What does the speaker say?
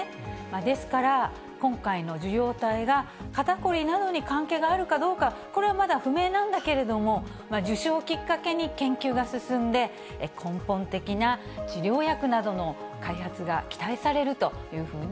ですから、今回の受容体が肩凝りなどに関係があるかどうか、これはまだ不明なんだけれども、受賞をきっかけに研究が進んで、根本的な治療薬などの開発が期待されるというふうに、